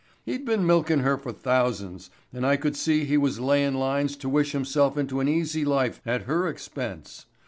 He'd been milkin' her for thousands and I could see he was layin' lines to wish himself into an easy life at her expense.